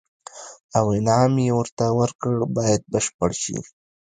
او انعام یې ورته ورکړ باید بشپړ شي.